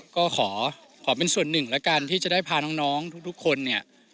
ก็ขอเป็นส่วนหนึ่งแล้วกันที่จะได้พาน้องทุกคนเนี่ย